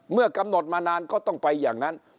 เมื่อกำหนดมานานก็ต้องไปอย่างนั้น